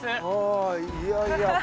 あいやいや。